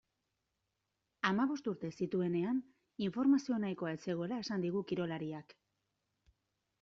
Hamabost urte zituenean informazio nahikoa ez zegoela esan digu kirolariak.